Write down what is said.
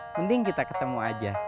mending kita ketemu aja